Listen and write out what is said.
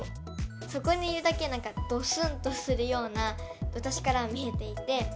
そこにいるだけでどすんとするような、私からは見えていて。